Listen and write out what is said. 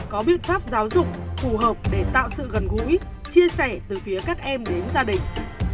có biện pháp giáo dục phù hợp để tạo sự gần gũi chia sẻ từ phía các em đến gia đình